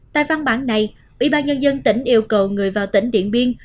tại văn bản này ủy ban nhân dân tỉnh yêu cầu người vào tỉnh điện biên